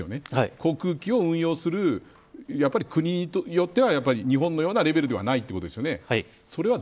航空機を運用する国によっては日本のようなレベルではないということですよね。